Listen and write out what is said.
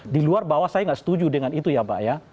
di luar bahwa saya nggak setuju dengan itu ya pak ya